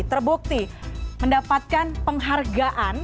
terbukti mendapatkan penghargaan